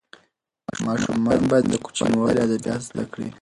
ماشومان باید له کوچنیوالي ادبیات زده کړي.